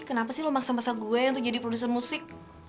kenapa sih memaksa masa gue untuk jadi produser musik